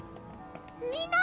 みんな！